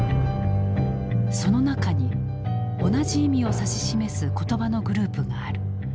その中に同じ意味を指し示す言葉のグループがある。